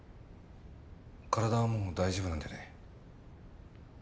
体はもう大丈夫なんだよね？